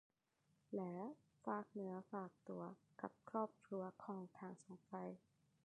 และฝากเนื้อฝากตัวกับครอบครัวของทั้งสองฝ่าย